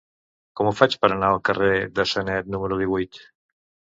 Com ho faig per anar al carrer de Sanet número divuit?